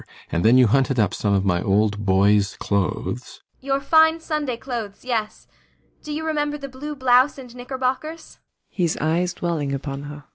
And then you hunted up some of my old boy's clothes ASTA. Your fine Sunday clothes yes. Do you remember the blue blouse and knickerbockers? ALLMERS. [His eyes dwelling upon her.